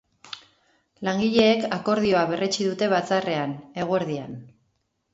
Langileek akordioa berretsi dute batzarrrean, eguerdian.